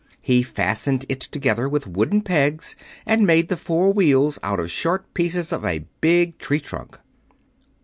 He fastened it together with wooden pegs and made the four wheels out of short pieces of a big tree trunk.